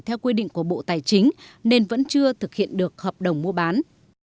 theo quy định của bộ tài chính nên vẫn chưa thực hiện được hợp đồng mua bán